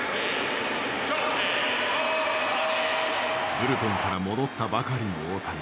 ブルペンから戻ったばかりの大谷。